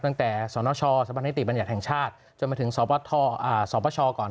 ตั้งแต่สนชสบันนิติบัญญัติแห่งชาติจนมาถึงสปชก่อน